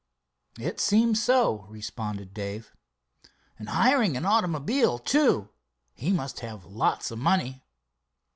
"It seems so," responded Dave. "And hiring an automobile, too. He must have lots of money."